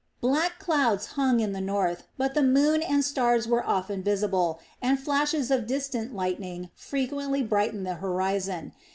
Black clouds hung in the north, but the moon and stars were often visible, and flashes of distant lightning frequently brightened the horizon.